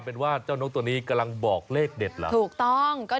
แบบเจ้านกตัวนี้กำลังบอกเลขเด็ดทำอย่างกัน